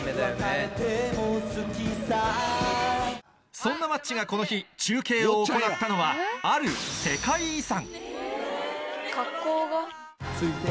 そんなマッチがこの日中継を行ったのはある世界遺産